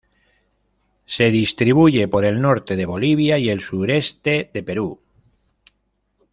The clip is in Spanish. Se distribuye por el norte de Bolivia y el sureste de Perú.